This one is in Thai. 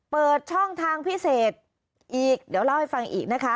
เปิดช่องทางพิเศษอีกเดี๋ยวเล่าให้ฟังอีกนะคะ